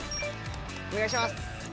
お願いします。